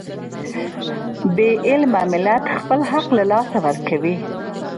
بې علمه ملت خپل حق له لاسه ورکوي.